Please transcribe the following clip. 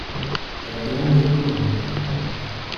Era grande e comoda.